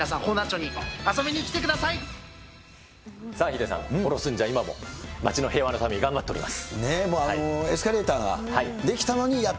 皆さん、ヒデさん、おろすんジャー、今も街の平和のために頑張っております。